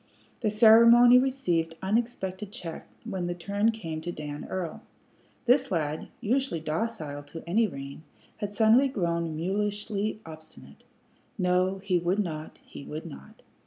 The ceremony received unexpected check when the turn came to Dan Earl. This lad, usually docile to any rein, had suddenly grown mulishly obstinate. No, he would not, he would not.